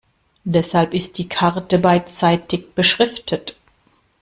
Deshalb ist die Karte beidseitig beschriftet.